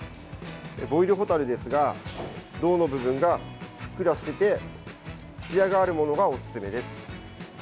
ボイルホタルですが胴の部分がふっくらしていてツヤがあるものがおすすめです。